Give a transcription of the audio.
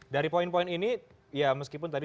dari poin poin ini ya meskipun tadi